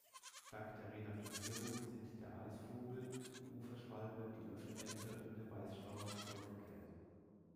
Dank der Renaturierung sind der Eisvogel, die Uferschwalbe, die Löffelente und der Weißstorch zurückgekehrt.